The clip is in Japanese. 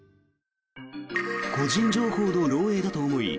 個人情報の漏えいだと思い